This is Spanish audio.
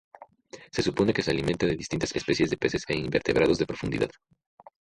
Se supone que se alimenta de distintas especies de peces e invertebrados de profundidad.